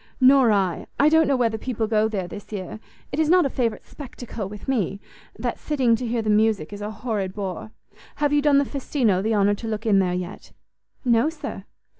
"Nor I; I don't know whether people go there this year. It is not a favourite spectacle with me; that sitting to hear the music is a horrid bore. Have you done the Festino the honour to look in there yet?" "No, sir."